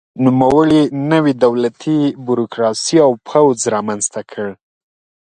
نوموړي نوې دولتي بیروکراسي او پوځ رامنځته کړل.